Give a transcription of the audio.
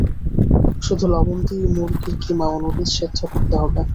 শুধু লবণ দিয়ে মুরগির কিমা ও নুডলস সেদ্ধ করতে হবে।